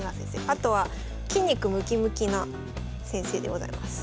あとは筋肉ムキムキな先生でございます。